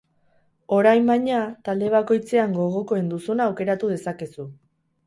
Orain, baina, talde bakoitzean gogokoen duzuna aukeratu dezakezu.